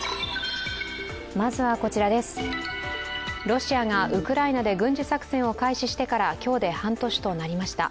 ロシアがウクライナで軍事作戦を開始してから今日で半年となりました。